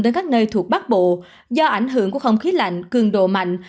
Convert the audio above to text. tới các nơi thuộc bắc bộ do ảnh hưởng của không khí lạnh cường độ mạnh